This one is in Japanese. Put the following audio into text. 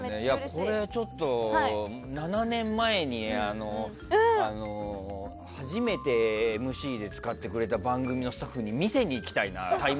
これはちょっと７年前に初めてＭＣで使ってくれた番組のスタッフに見せに行きたいな。